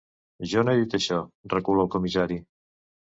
Jo no he dit això —recula el comissari—.